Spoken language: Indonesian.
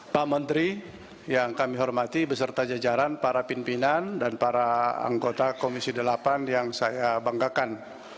pak menteri yang kami hormati beserta jajaran para pimpinan dan para anggota komisi delapan yang saya banggakan